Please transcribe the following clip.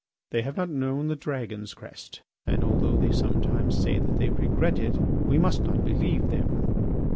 They have not known the Dragon's crest and, although they sometimes say that they regret it, we must not believe them.